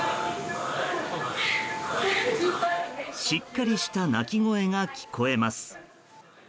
しっかりした泣き声が聞こえます。